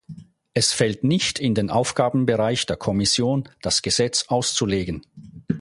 Es fällt nicht in den Aufgabenbereich der Kommission, das Gesetz auszulegen.